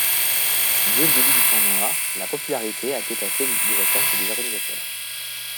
Dès le début du tournoi, la popularité a dépassé les attentes des organisateurs.